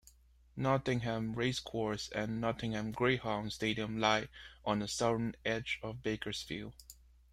Nottingham Racecourse and Nottingham Greyhound Stadium lie on the southern edge of Bakersfield.